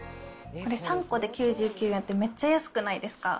これ、３個で９９円って、めっちゃ安くないですか？